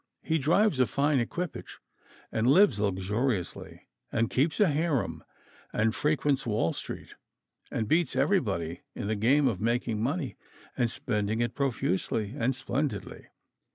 He drives a fine equipage, and lives luxuriously, and keeps a harem, and frequents Wall Street, and beats everybody in the game of making money, and spending it profusely and splendidly.